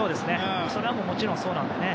それはもちろんそうなのでね。